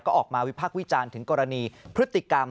ก็ออกมาวิพากษ์วิจารณ์ถึงกรณีพฤติกรรม